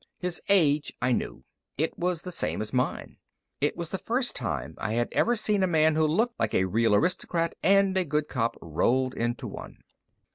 His age, I knew; it was the same as mine. It was the first time I had ever seen a man who looked like a real aristocrat and a good cop rolled into one.